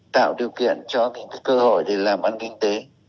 tạo điều kiện cho mình cái cơ hội để làm ăn kinh tế